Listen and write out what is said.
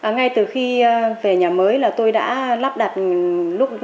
ngay từ khi về nhà mới là tôi đã lắp đặt lúc đó bởi vì